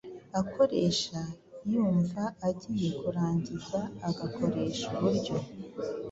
akoresha yakumva agiye kurangiza agakoresha uburyo